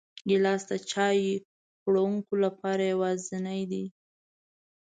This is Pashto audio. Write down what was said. ګیلاس د چای خوړونکو لپاره یوازینی دی.